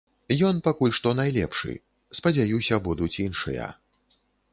Ён пакуль што найлепшы, спадзяюся, будуць іншыя.